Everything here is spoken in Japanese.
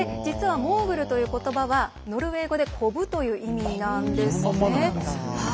実は、モーグルということばはノルウェー語で「コブ」という意味なんですね。